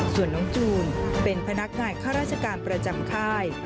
ส่วนน้องจูนเป็นพนักงานข้าราชการประจำค่าย